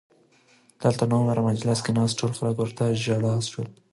دلته نو عمر او مجلس کې ناست ټول خلک ورته په ژړا شول